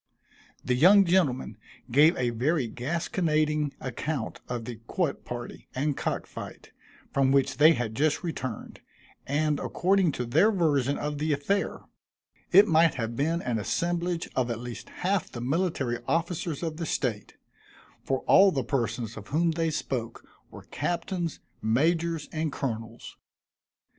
The young gentlemen gave a very gasconading account of the quoit party and cock fight, from which they had just returned, and according to their version of the affair, it might have been an assemblage of at least half the military officers of the state; for all the persons of whom they spoke, were captains, majors and colonels.